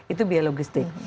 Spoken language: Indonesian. itu biaya logistik